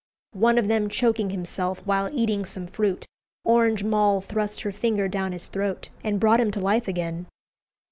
One of them choking himself while eating some fruit, Orange Moll thrust her finger down his throat and brought him to life again.